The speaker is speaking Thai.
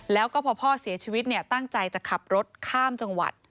แล้วก็พอพ่อเสียชีวิตเนี่ยตั้งใจจะขับรถข้ามจังหวัด